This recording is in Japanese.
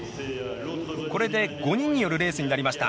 これで、５人によるレースになりました。